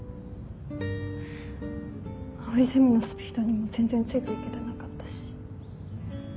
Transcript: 藍井ゼミのスピードにも全然付いていけてなかったし。